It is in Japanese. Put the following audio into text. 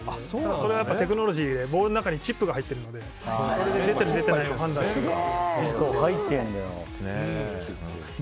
それはテクノロジーでボールの中にチップが入ってるので出てる、出てないを判断するので。